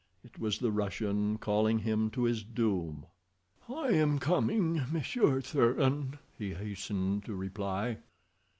It was the Russian calling him to his doom. "I am coming, Monsieur Thuran," he hastened to reply.